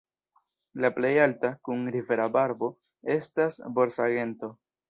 La plej alta, kun rivera barbo, estas borsagento.